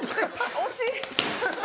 惜しい。